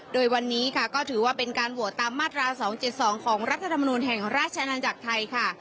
โดยวันนี้ค่ะก็ถือว่าเป็นการโหวตตามมาตรา๒๗๒ของรัฐธรรมนุนแห่งราชอาณาจักรไทยค่ะ